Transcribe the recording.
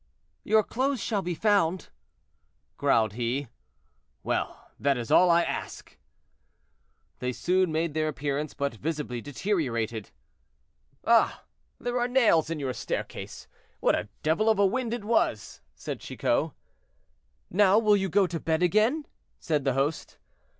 "Your clothes shall be found," growled he. "Well! that is all I ask." They soon made their appearance, but visibly deteriorated. "Ah! there are nails in your staircase; what a devil of a wind it was," said Chicot. "Now you will go to bed again?" said the host.